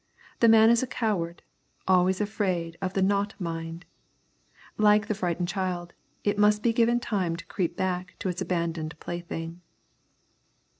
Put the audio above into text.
The mind is a coward, afraid always of the not mind. Like the frightened child, it must be given time to creep back to its abandoned plaything.